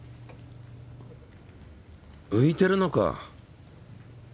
ういてるのか。